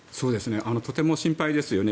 とても心配ですよね。